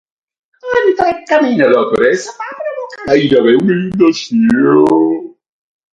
Un trencament a la presa va provocar gairebé una inundació.